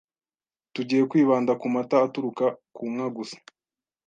tugiye kwibanda ku mata aturuka ku nka gusa